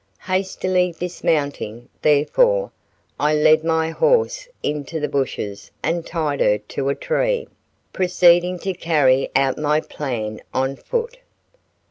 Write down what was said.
Hastily dismounting, therefore, I led my horse into the bushes and tied her to a tree, proceeding to carry out my plan on foot.